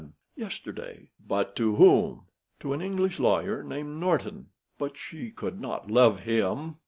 "Yesterday." "But to whom?" "To an English lawyer named Norton." "But she could not love him."